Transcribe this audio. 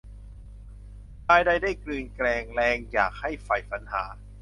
ชายใดได้กลืนแกง แรงอยากให้ใฝ่ฝันหา